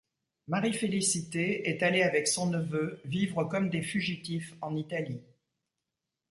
Marie Félicitée est allée avec son neveu vivre comme des fugitifs en Italie.